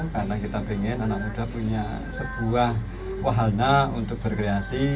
karena kita ingin anak muda punya sebuah wahana untuk berkreasi